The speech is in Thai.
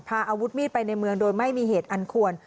อาวุธมีดไปในเมืองโดยไม่มีเหตุอันควร